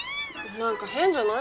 なんか変じゃない？